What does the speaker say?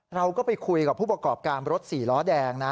เราก็ไปคุยกับผู้ประกอบการรถสี่ล้อแดงนะ